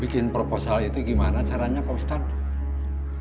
bikin proposal itu gimana caranya pak ustadz